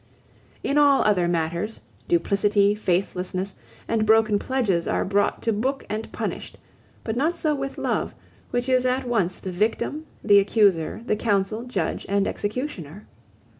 In all other matters, duplicity, faithlessness, and broken pledges are brought to book and punished; but not so with love, which is at once the victim, the accuser, the counsel, judge, and executioner.